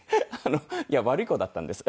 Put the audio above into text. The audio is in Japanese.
悪い子だったんです。